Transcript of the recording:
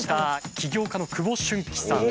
起業家の久保駿貴さん。